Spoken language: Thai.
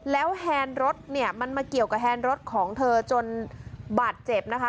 แล้วแฮนด์รถเนี่ยมันมาเกี่ยวกับแฮนด์รถของเธอจนบาดเจ็บนะคะ